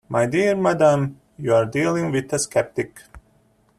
My dear madame, you are dealing with a sceptic.